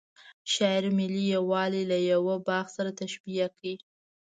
شاعر ملي یوالی له یوه باغ سره تشبه کړی.